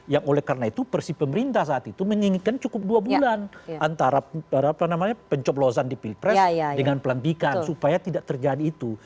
yang oleh karena itu persi pemerintah saat itu menginginkan cukup dua bulan antara pencoplosan di pilpres dengan pelantikan supaya tidak terjadi itu